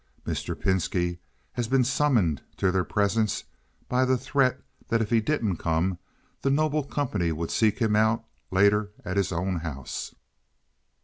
Mr. Pinski has been summoned to their presence by the threat that if he didn't come the noble company would seek him out later at his own house.)